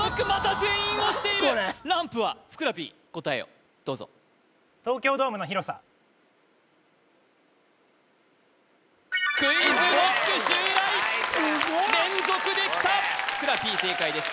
また全員押しているランプはふくらＰ答えをどうぞＱｕｉｚＫｎｏｃｋ襲来連続できたふくらＰ正解です